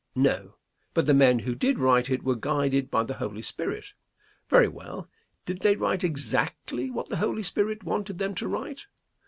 No; but the men who did write it were guided by the Holy Spirit. Very well. Did they write exactly what the Holy Spirit wanted them to write?